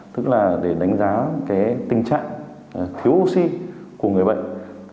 tức là để đánh giá cái tình trạng thiếu oxy của người bệnh